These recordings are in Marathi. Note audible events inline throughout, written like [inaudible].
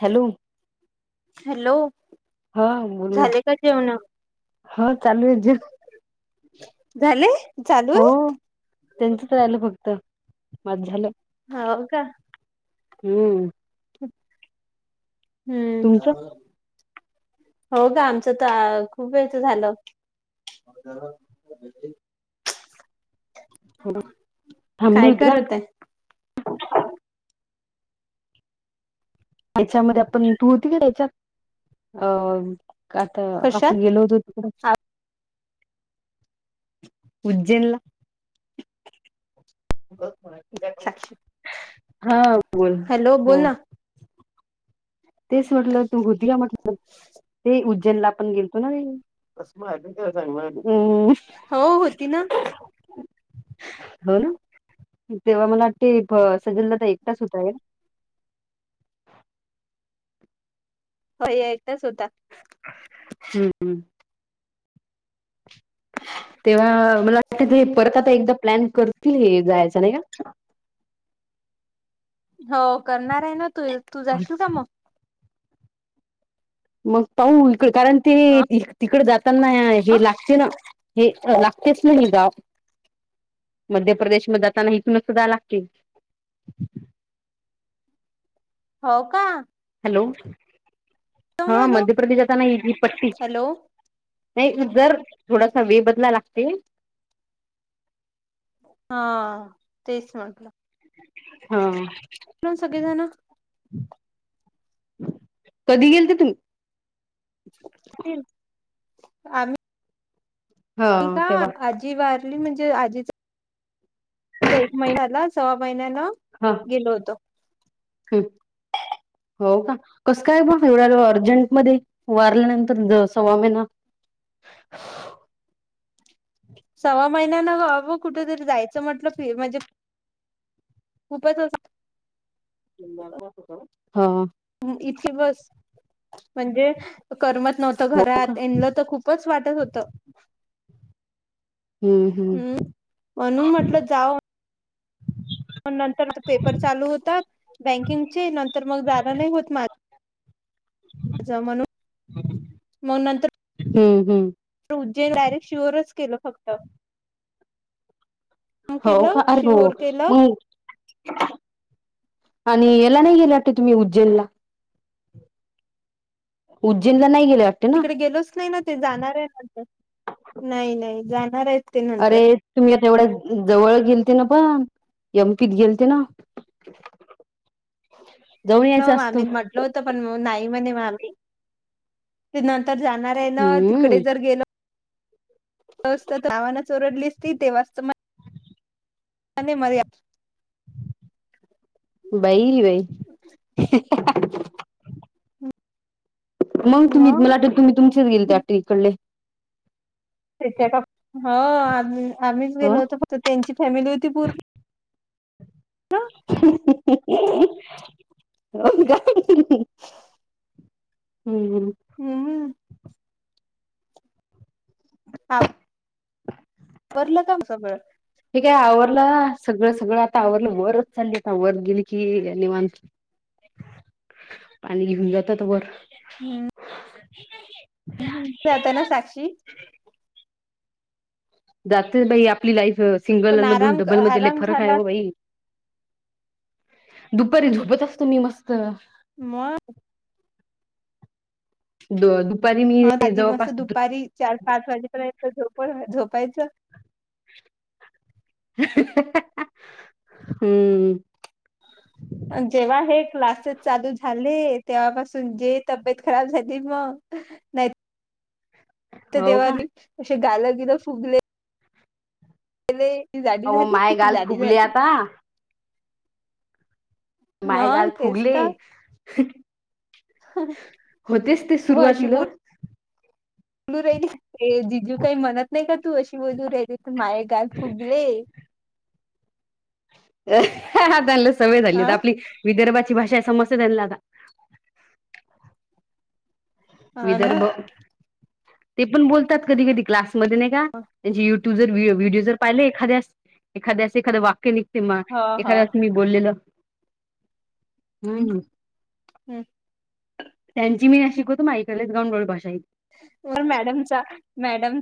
हॅलो हॅलो हा झाले का जेवण हो चालू आहे जे झाले चालू त्यांच तर राहिलं फक्त मज झालं ह हो का हम्म तुमचं हम्म हो का आमचं तर खूप वेळच झालं हो थांबली काय होती का करत आहे हच्यामध्ये आपण तूती ग याच्यात अ आता कशात? आपण गेलो होतो तिकडं उज्जैनला साक्षी हा बोल हॅलो हा बोल ना. तेच म्हटलं तुम गुदिया म्हटलं ते उज्जैनला पण गेलतो नाांग हो होती ना हो ना तेव्हा मला वाटते सजनला तर एकटाच होता आहे हो एकटच होता हम्मम् तेव्हा मला वाटत परत आता एकदा प्लॅन करतील हे जायच नाही का हो करणार आहे ना तू तू जाशील का मग मग पाहू इकड कारण ते अ तिकड जाताना हे लागते ना हे लागतेच नाही गाव मध्य प्रदेश मध्ये आताना ह तुून स दा लागतील हो का हॅलो जाऊन हा आलो मध्य प्रदेश आात नाहीी पट्टी हॅलो नाही जर थोडासा वे बदला लागते हा तेच म्हटलं हा प सगळेजण कधी गेलते तुम्ही आम्ही हा का तेव्हा आजी वारली म्हणजे आजीच एक महिन्याला सव्वा महिन्याला गेलो होतो हम् हो का कसं काय पण एव्हढ्या अर्जंटमध्येध्ये वारल्यानंतर सव्वा महिना [inaudible] सव्वा महिन्यान ह कुठेतरी जायचं म्हटलं फि म्हणजे खूपच अस हा इथे बस म्हणजे करमत नव्हतं हो घरात येनल तर खूप च वाटत होतं हम्म म्हणून म्हटलं जाव पण नंतर पेपर चालू होतात बँकिंगचे नंतर मग जाण नाही होत माझ म्हणून मग नंतर हम्म हम्म उज्जन डायरेक्ट श्युअरच केलं फक्त हो का केलं अरे हो शिहोर केलं मग आणि याला नाही गेला वा तुम्ही उज्जैनला उज्जैनला नाही गेले वाटते ना गेलो नाही नाही ते नंतर अरे तुम्ही आता एवढ्या जवळ गेलते ना पण यमपीत गेलते ना [inaudible] जाऊन हो यायचं असतं मामीन म्हटलं होतं पण नाही म्हणे मा्मी ते नंतर जाणार आहे ना तिकडे हम्म जर गेलं [inaudible] आस असत तर नावानं च ओरडली असती तेव्हाच तर आणि म बाई बाई मग तुम्ही मला वाटत तुम्ही तुमचेच गेलते वाटते इकडले त्याच्या ह आ आम्हीच ह गेलो होतो फक्त त्यांची फॅमिली होती पूर्ण हो का हम्म हम् हम्म ह कररलं का म सगळं ठीकय आवरला सगळं सगळं आता आवरलं वरच चालली आता वर गेली की यांनी मान [inaudible] पाणी घेऊन जातात वर हम्म [inaudible] हम् हम जात ना साक्षी जाते बाई आपली लाईफ सिंगल पण मधून आराम डबल मध्ये लय आराम फरक आहे झाला व बाई दुपारी झोपत असतो मी मस्त मग द दुपारी हा दादी मस्त जवळपास दु- दुपारी चार पाच वाजेपर्यंत झोप झोपायचं हम्म जेव्हा हे क्लासेस चालू झाले तेव्हापासून जे तब्येत खराब झाली मग नाही हो तेव्हा का नी असे गाल गिलं फुगले ती जाडी अहो झाली माय किती गाल जाडी फुगले झाली आता मग मायगाल तेच फुगले तर होतेच ते सुरुवातीला फलू राहिली जिजू काही म्हणत नाही का तू अशी बाजू राहिली तर माये गल फुगले हा त्यांना सवय झाली हा आहे आपली विदर्भाची भाषा आहे समज त्यांना आता हा ना विदर्भ ते पण बोलतात कधी कधी क्लासमध्ये नाही का त्यांची युट्यू तू जर व्हिडिओ जर पाहि एखा्यास एखा्या एखाद वाक्य निघते ह ह एखा्या बोललेलं हम् हम् त्यांची मी ना शिकवतो मायकलच गांडोळ भाषा हो मॅडमचा मॅडम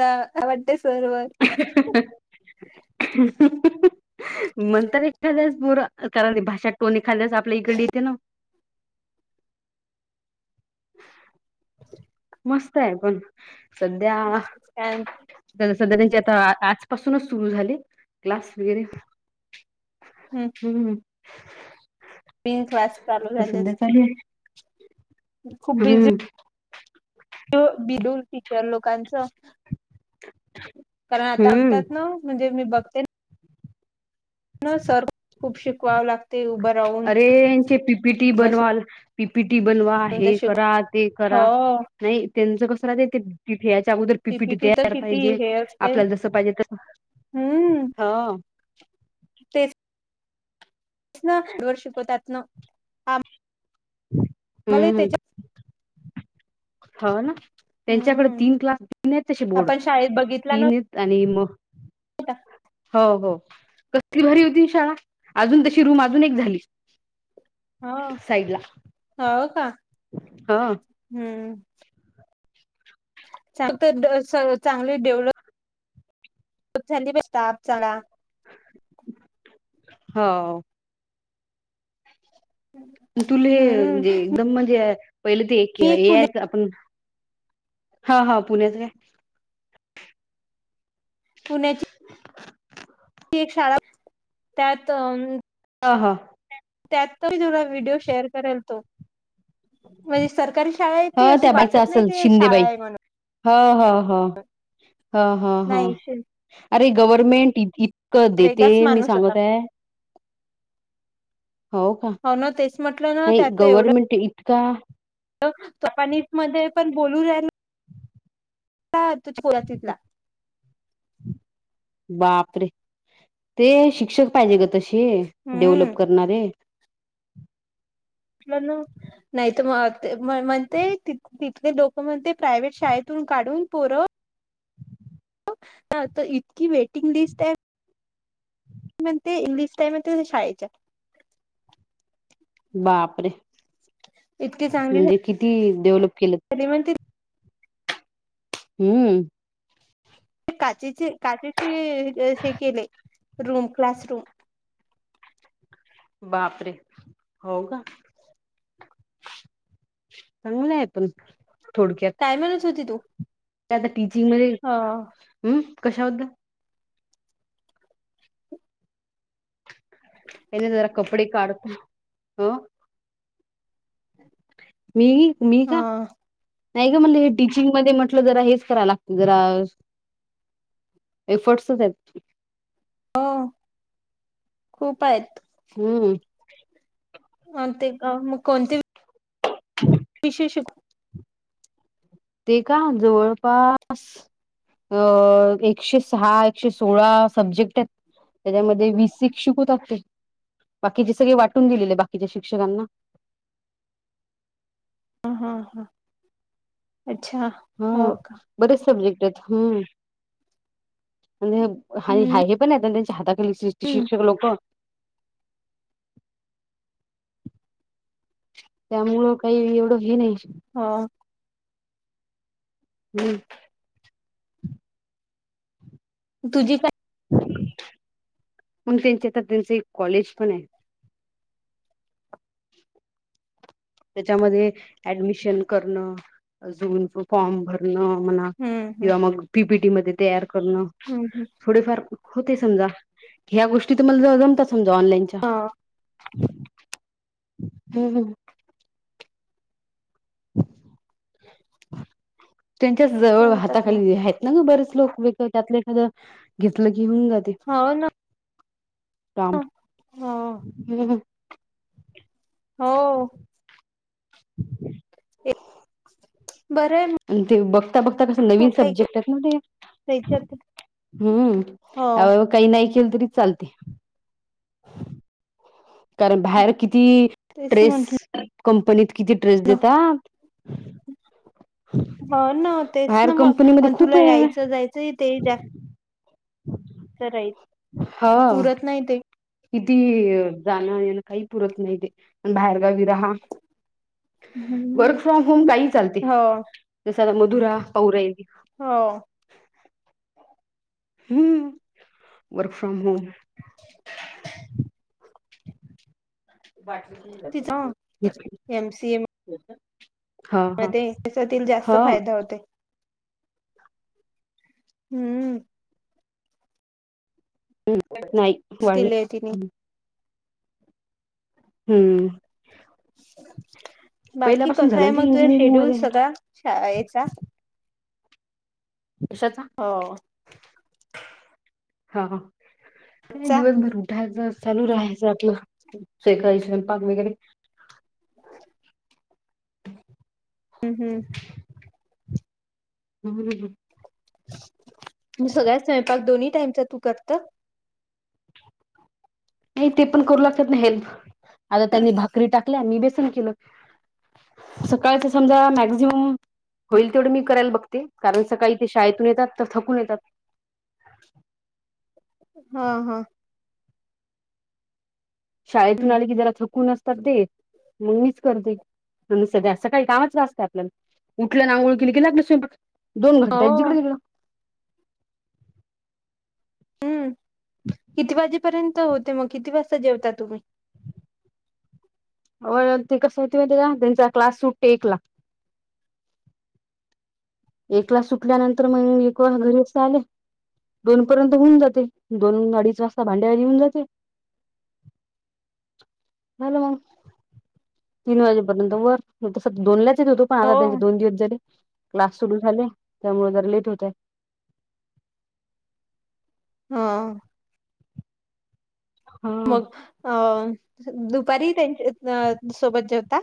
ता वाटते सरोवर मणंतर एखाद्याच बोर करा भाषात टोन एखाद्याच आपल्या इकडे येते ना. मस्त आहे पण सध्या. सध्या त्यांचे आता आजपासूनच सुरु झाले क्लास वगैरे. हम्म. हम्म. मीन क्लास चालू तर झाले सध्या असते. चालू आहे खूप बिझी. हम्म त बिडूर टिचर लोकांचं कारण आता हम्म ऐकतात ना म्हणजे मी बघते. न सर्व खूप शिकवाव लागत. अरे यांचे पीपी टी बसून बनवाल. पीपीटी बनवा तर हे शिक करा ते हो करा. नाही त्यांचं कसं राहत ते फेच्या अगोदर पी पीटी पीपीटी तर तयार किती पाहिजे हे असते आपल्याला जस पाहिजे तस हम्म ह तेच. ना ड शिकवतात ना. आम्हाला हम्म हम्म. त्याच्या हो ना त्यांच्याकडे हम्म तीन क्लास तीन आहेत ते बोर्ड आपण शाळेत बघितला न तीन आहेत. आणि म हो हो. कसली भरी होती शाळा अजून तशी रूम अजून एक झाली. हो साईडला हो का हा. हम्म. चांग तर चांगली डेव्हलप खूप थंडी बा चगा हो. हम्म तुलेजे एकदम म्हणजे पहिले ते एक मी ऐआय. पुण्या आपण हा हा पुण्याच का. पुणे. [unintelligible] ती एक शाळा त्यात अ हां हां. त्यात तुला व्हिडिओ शेअर करेल तो. म्हणजे सरकारी शाळा आहे ती ह अशी वाटत नाही त शाळा आहे म्हणून हा हा हा हा हा हा नाही शी- अरे गव्हर्मेंट. क देत वेगळाच मी माणूस होता सांगत आहे हो का. हो ना ते नाही गव्हर्नमेंट इतका. जपानी मध्ये पण बोलू राहिल त्या पोर तिथला. बापरे ते शिक्षक पाहिजे ग तसे हम्म डेव्हलप करणारे. लं ना नाहीत मग ते म्हण ते त. तिथले लोकं म्हण ते प्रायव्हेट शाळेतून काढून पोर. हो तर इतकी वेटिंग लिस्ट आहे. म्हण ते इंग्लिश टाई म्हण शाळेच्या. बापरे म्हणजे किती डेव्हलप केलं. त्या म्हण हम्म काचेचे काचेचे हे केले क्लास रूम. बापरे होका. चांगल आहे पण. काय म्हणत होती तू थोडक्यात आता टीचिंग मधे ह कशा होत. ह् न जरा कपडी काढत मीघ मीघ ह नाही का म्हटलं हे टीचिंग मध्ये म्हटलं जरा हेच करावला लागत जरा एफर्टस तर द हो खूप आहेत हम्म ते का मग कोणती? ह् विशेष ते का जवळपास अ एकशे सहा एकशे सोळा सब्जेक्ट आहेत त्याच्यामध्ये वीस शिक्षक होतातते बाकीचे सगळे वाटून दिलेले बाकीच्या शिक्षकांना हां हां हां अच्छा हम हो का बरेच सब्जेक्ट आहेत हम् म्हणजेा हम्म हे पण आहेत त्यांच्या हाताखाली. त्यामुळं काही एवढं हे नाही हा हम् तुझी काय म त्यांचे आता त्यांच एक कॉलेज पण आहे. त्याच्यामध्ये ऍडमिशन करणं ज फॉर्म भरणं म्हणा हम्म हम्म किंवा मग पीपीटी मध्ये तयार करणं. हम्म हम् थो फार होते समजा ह्या गोष्टी तुम्हाला ज जमता समजा ऑनलाईनच्या ह हम्म हम् त्यांच्याच जवळ जमतात मग हाताखाली आहेत ना ग बरेच लोक वे त्यातले एखादं घेतलं कि होऊन ग ते हो काम ना हो हो हगग बर आहे म तेजश बघता बघता नवीन सबजेक्ट ना ते् त्याच्यात हो काही नाही केलं तरी चालते कारण बाहेर किती तेच ट्रेस म्हंटलं कंपनीत किती टड्रेस देतात ह ना तेच बाहेर ना मग कंपनीमध्ये खूप तुला आहे यायचं जायचं ते द्या [unintelligible] सकाळी हा पुरत नाही ते. किती जाणं येणं काही पुरत नाही ते पण बाहेरगावी राहा. हम्म वर्क फ्रॉम होम काही चालते हो जस आता मधुरा पाहू राहिले. हो. हम्म! Work from home. [inaudible] तिच एमसीए [unintelligible] हा मध्ये त्याच्या जास्त हा फायदा होते. हम्म! हम्! नाही वा केले आहे तिने हम्म! बाकी पहिल्यापासून कस झालं आहे ना ते मग तुझ्या इंजिनिअरिंग शेड्यूल मध्ये सगळा शाळेचा? कश्याचा? हो हां हा चा दिवसभर चालू राहायच आपलं सकाळी स्वयंपाक वगैरे. हम् हम् हम्म मग सगळ्या स्वयंपाक दोन्ही टाईमचा तू करता? नाही ते पण करू लागतात ना हेल्प आता त्यांनी भाकरी टाकल्या मी बेसन केलं. सकाळच समजा मॅक्झिमम होईल तेवढं मी करायला बघते कारण सकाळी ते शाळेतून येतात तर थकून येतात. हा, हां. शाळेतून आले की जरा थकून असतात ते म्हणून मीच करते. सध्या सकाळी कामच जास्त आहे आपल्याला उठलं अन आंगोळं केल की लागलाच स्वयंपाक दोन घंटे हो आहेत जिकडे तिकडे हम्म किती वाजेपर्यंत होते मग किती वाजता जेवता तुम्ही? व्हय ते कसं होते माहितेय का त्यांचा क्लास सुटतो एकला. एकला सुटल्यानंतर मग एक घरी अस आले. दोन पर्यंत होऊन जाते दोन अडीच वाजता भांड्यावली येऊन जाते. हॅलो तीन वाजेपर्यंत वर तस दोनलाच होतो पण आता त्यांचे हो. दोन दिवस झाले. क्लास सुरू झाले त्यामुळे जर लेट होतय. हां. हा मग अ दुपारी त्यांच्या सोबत जेवता?